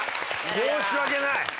申し訳ない！